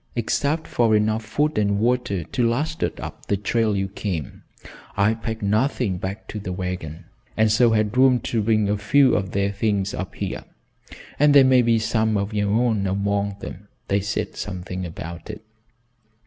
"Except for enough food and water to last us up the trail you came, I packed nothing back to the wagon, and so had room to bring a few of their things up here, and there may be some of your own among them they said something about it.